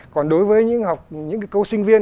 còn đối với những câu sinh viên